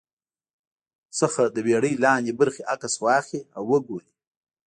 څخه د بېړۍ لاندې برخې عکس واخلي او وګوري